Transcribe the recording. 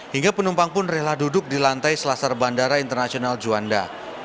hingga penumpang pun rela duduk di lantai selasar bandara internasional juanda